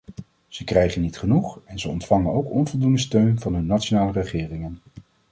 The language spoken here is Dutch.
Ze krijgen niet genoeg, en ze ontvangen ook onvoldoende steun van hun nationale regeringen.